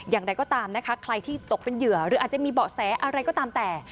อย่างไรก็ตามนะคะใครที่ตกเป็นเหยื่อ